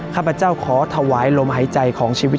ข้าพเจ้าขอถวายลมหายใจของชีวิต